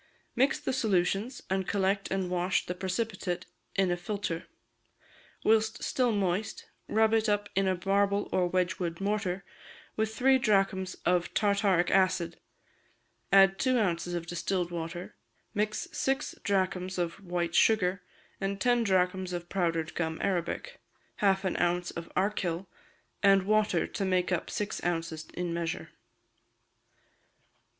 Mix the solutions, and collect and wash the precipitate in a filter; whilst still moist, rub it up in a marble or Wedgwood mortar with three drachms of tartaric acid; add two ounces of distilled water, mix six drachms of white sugar, and ten drachms of powdered gum arabic, half an ounce of archil, and water to make up six ounces in measure.